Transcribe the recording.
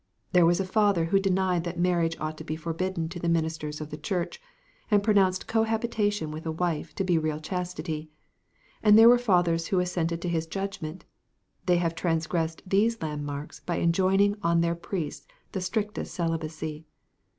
There was a father who denied that marriage ought to be forbidden to the ministers of the Church, and pronounced cohabitation with a wife to be real chastity; and there were fathers who assented to his judgment. They have transgressed these landmarks by enjoining on their priests the strictest celibacy.